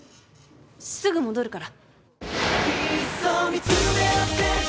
すぐ戻るから。